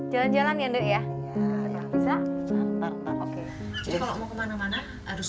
jalan jalan ya ndek